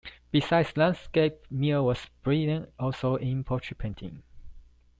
Besides landscapes Mio was brilliant also in portrait painting.